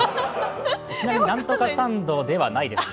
ちなみに、何とかサンドではないです。